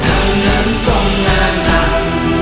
ท่านนั้นส่งงานนั้น